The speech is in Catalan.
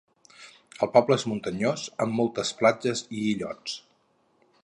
El poble és muntanyós amb moltes platges i illots.